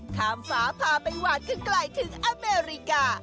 ฟ้าพาไปหวานกันไกลถึงอเมริกา